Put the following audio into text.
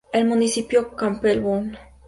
El municipio de Campbell No.